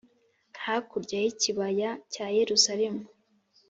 hakurya y ikibaya cya yerusalemu